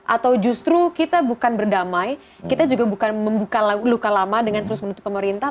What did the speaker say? atau justru kita bukan berdamai kita juga bukan membuka luka lama dengan terus menutup pemerintah